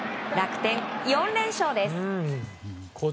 楽天、４連勝です！